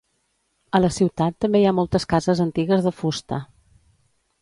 A la ciutat també hi ha moltes cases antigues de fusta.